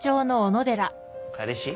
彼氏？